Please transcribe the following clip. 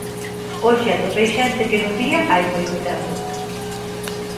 Hoxe atopei xente que non vía hai moito tempo.